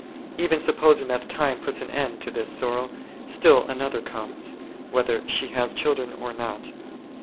Even supposing that time puts an end to this sorrow, still another comes, whether she has children or not.